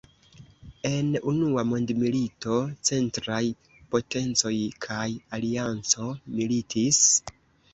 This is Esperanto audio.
En Unua Mondmilito, Centraj Potencoj kaj Alianco militis.